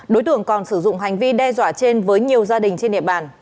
đối tượng còn sử dụng hành vi đe dọa trên với nhiều gia đình trên địa bàn